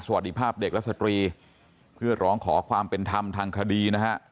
สวัสดีภาพเด็กและสตรีเพื่อร้องขอความเป็นธรรมทางคดีนะฮะ